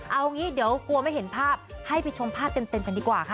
เอางี้เดี๋ยวกลัวไม่เห็นภาพให้ไปชมภาพเต็มกันดีกว่าค่ะ